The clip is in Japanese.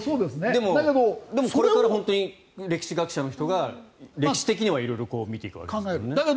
だけど、これから本当に歴史学者の人が歴史的には色々見ていくわけですね。